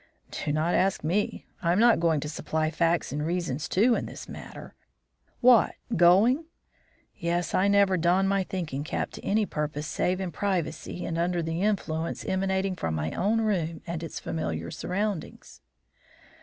"Do not ask me. I'm not going to supply facts and reasons, too, in this matter. What! going?" "Yes, I never don my thinking cap to any purpose save in privacy and under the influences emanating from my own room and its familiar surroundings."